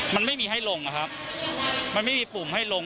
มันไม่มีให้ลงอะครับมันไม่มีปุ่มให้ลง